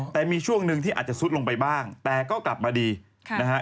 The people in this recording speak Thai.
แต่มีช่วงหนึ่งที่อาจจะซุดลงไปบ้างแต่ก็กลับมาดีนะฮะ